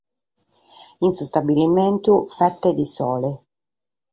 in s'istabilimentu "Fette di Sole".